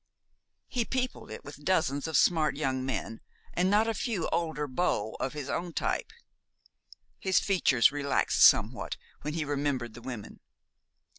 He peopled it with dozens of smart young men and not a few older beaux of his own type. His features relaxed somewhat when he remembered the women.